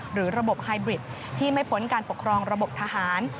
หรือระบบไฮบริดที่ไม่พ้นการปกครองระบบทหาร